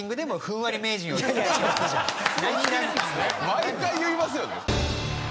毎回言いますよね。